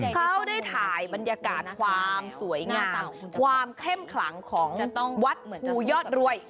เขาได้ถ่ายบรรยากาศความสวยงามความเข้มขลังของวัดภูยอดรวย